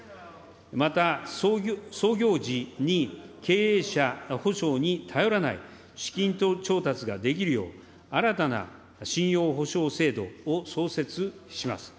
また創業時に経営者保証に頼らない資金調達ができるよう、新たな信用保証制度を創設します。